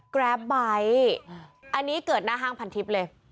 กราบไบ้อันนี้เกิดหน้าห้างพันธิบเลย